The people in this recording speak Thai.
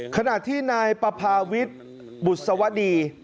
ขณะที่นายปภาวิทย์บุษวดี